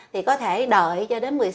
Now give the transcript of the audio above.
thì có thể đợi cho đến